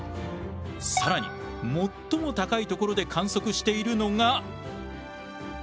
更に最も高い所で観測しているのが。